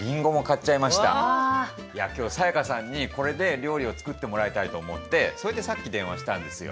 いや今日才加さんにこれで料理を作ってもらいたいと思ってそれでさっき電話したんですよ。